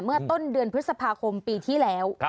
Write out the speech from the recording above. เมื่อต้นเดือนพฤษภาคมปีที่แล้ว